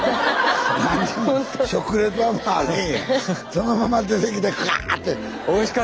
そのまま出てきてガーッて。